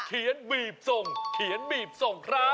บีบส่งเขียนบีบส่งครับ